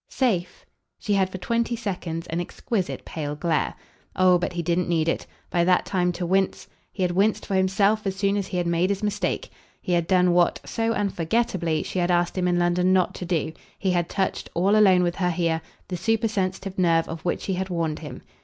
"'Safe' ?" She had for twenty seconds an exquisite pale glare. Oh but he didn't need it, by that time, to wince; he had winced for himself as soon as he had made his mistake. He had done what, so unforgettably, she had asked him in London not to do; he had touched, all alone with her here, the supersensitive nerve of which she had warned him.